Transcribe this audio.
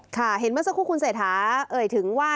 เห็นเมื่อสักครู่คุณเศรษฐาเอ่ยถึงว่า